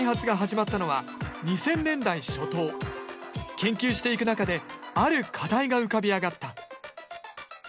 研究していく中である課題が浮かび上がった。